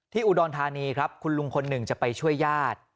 อุดรธานีครับคุณลุงคนหนึ่งจะไปช่วยญาติ